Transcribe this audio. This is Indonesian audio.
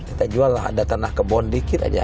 kita jual ada tanah kebon dikit aja